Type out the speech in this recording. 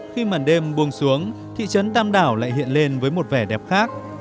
khi màn đêm buông xuống thị trấn tam đảo lại hiện lên với một vẻ đẹp khác